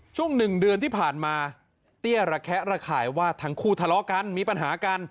หนึ่งเดือนที่ผ่านมาเตี้ยระแคะระข่ายว่าทั้งคู่ทะเลาะกันมีปัญหากัน